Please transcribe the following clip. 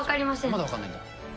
まだ分からないんだ。